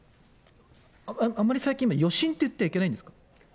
あまり最近、余震って言ってはいけないんですか？